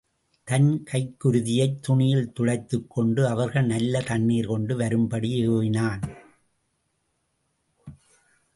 தன் கைக்குருதியைத் துணியில் துடைத்துக் கொண்டு அவர்களை நல்ல தண்ணீர் கொண்டு வரும்படி ஏவினான்.